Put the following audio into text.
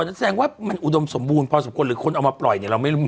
แสดงว่ามันอุดมสมบูรณ์พอสมควรหรือคนเอามาปล่อยเนี่ยเราไม่รู้